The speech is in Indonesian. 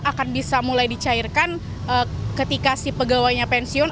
akan bisa mulai dicairkan ketika si pegawainya pensiun